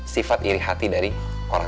siapin obatnya ya